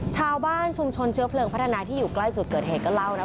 ชาวบ้านชุมชนเชื้อเพลิงพัฒนาที่อยู่ใกล้จุดเกิดเหตุก็เล่านะ